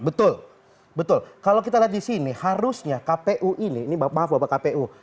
betul betul kalau kita lihat di sini harusnya kpu ini ini maaf bapak kpu